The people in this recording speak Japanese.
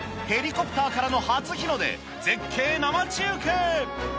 ヘリコプターからの初日の出、絶景生中継。